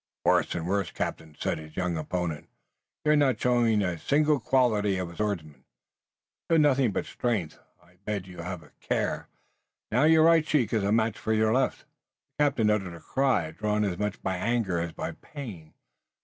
"Worse and worse, captain," said his young opponent. "You're not showing a single quality of a swordsman. You've nothing but strength. I bade you have a care! Now your right cheek is a match for your left!" The captain uttered a cry, drawn as much by anger as by pain.